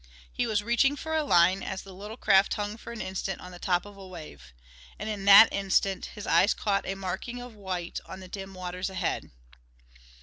He was reaching for a line as the little craft hung for an instant on the top of a wave. And in that instant his eyes caught a marking of white on the dim waters ahead.